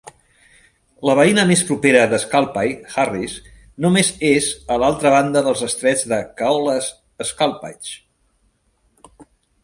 La veïna més propera de Scalpay, Harris, només és a l'altra banda dels estrets de Caolas Scalpaigh.